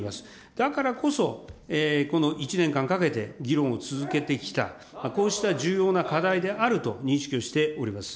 だからこそ、この１年間かけて議論を続けてきた、こうした重要な課題であると認識をしています。